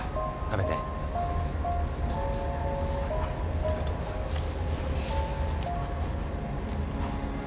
ありがとうございます。